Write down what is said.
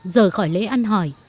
rời khỏi lễ ăn hỏi